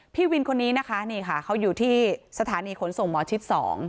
พี่วินคนนี้นะคะนี่ค่ะเขาอยู่ที่สถานีขนส่งหมอชิด๒